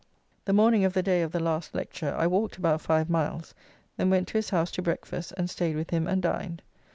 The morning of the day of the last lecture, I walked about five miles, then went to his house to breakfast, and stayed with him and dined.